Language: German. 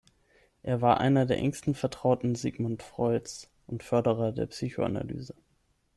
Er war einer der engsten Vertrauten Sigmund Freuds und Förderer der Psychoanalyse.